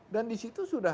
dan di situ sudah